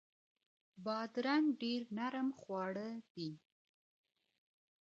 بادرنګ ډیر نرم خواړه دي.